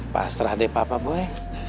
pastrah deh papa boy